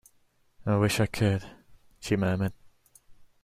"I wish I could," she murmured.